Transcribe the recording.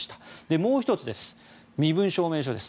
もう１つ、身分証明書です。